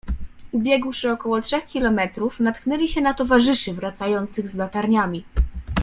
Ubiegłszy około trzech kilometrów, natknęli się na towarzyszy wracających z latarniami.